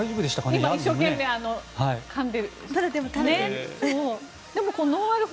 今、一生懸命かんでる。